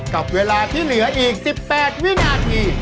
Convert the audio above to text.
กับเวลาที่เหลืออีก๑๘วินาที